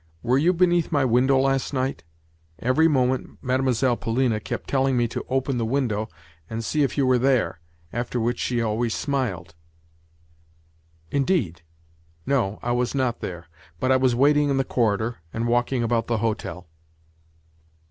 Were you beneath my window last night? Every moment Mlle. Polina kept telling me to open the window and see if you were there; after which she always smiled." "Indeed? No, I was not there; but I was waiting in the corridor, and walking about the hotel."